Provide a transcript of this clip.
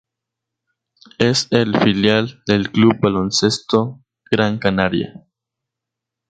Es el filial del Club Baloncesto Gran Canaria.